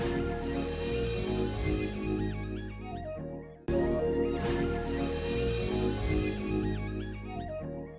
jangan tempat besar ketolam aja